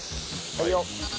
はいよ！